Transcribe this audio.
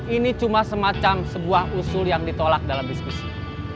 ini cuma semacam sebuah usul yang ditolak dalam diskusi